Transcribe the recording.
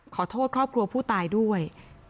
ขอโทษครอบครัวผู้ตายด้วย